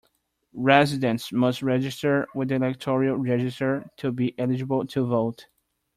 Residents must register with the electoral register to be eligible to vote.